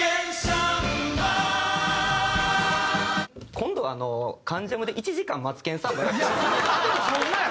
今度『関ジャム』で１時間『マツケンサンバ』やって。